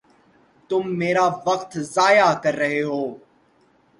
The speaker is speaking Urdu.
تم میرا وقت ضائع کر رہے ہو